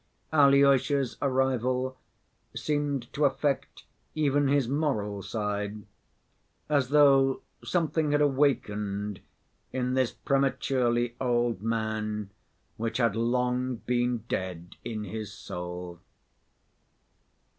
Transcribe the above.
Alyosha's arrival seemed to affect even his moral side, as though something had awakened in this prematurely old man which had long been dead in his soul.